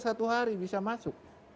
satu hari bisa masuk